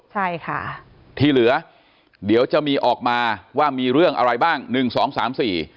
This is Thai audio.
ใช่ค่ะที่เหลือเดี๋ยวจะมีออกมาว่ามีเรื่องอะไรบ้างหนึ่งสองสามสี่